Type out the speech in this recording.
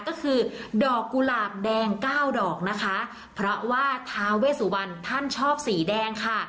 ก็คือดอกกุหลาบแดงเก้าดอกนะคะเพราะว่าทาเวสุวรรณท่านชอบสีแดงค่ะ